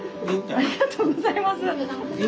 ありがとうございます。